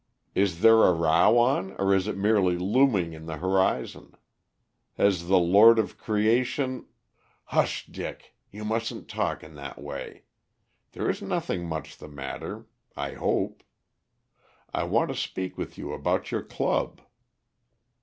Is there a row on, or is it merely looming in the horizon? Has the Lord of Creation " "Hush, Dick, you mustn't talk in that way. There is nothing much the matter, I hope? I want to speak with you about your club."